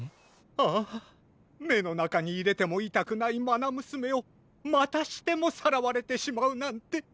ああめのなかにいれてもいたくないまなむすめをまたしてもさらわれてしまうなんて。